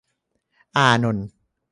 อานนท์